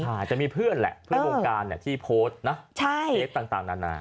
ใช่จะมีเพื่อนแหละเพื่อนวงการที่โพสต์นะเคสต่างนานา